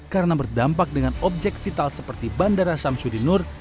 karena berdampak dengan objek vital seperti bandara samsudinur